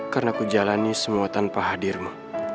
karena ku jalani semua tanpa hadirmu